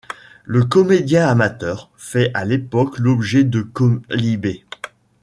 Le comédien amateur fait à l'époque l'objet de quolibets.